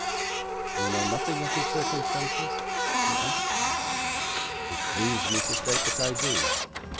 'You know nothing of his circumstances?' he asked. 'It grieves me to state that I do.